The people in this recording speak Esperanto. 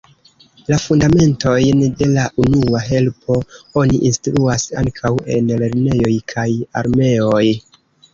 La fundamentojn de la unua helpo oni instruas ankaŭ en lernejoj kaj armeoj.